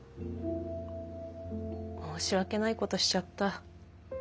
申し訳ないことしちゃった。